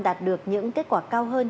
đạt được những kết quả cao hơn